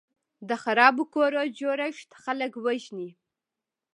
د خرابو کورو جوړښت خلک وژني.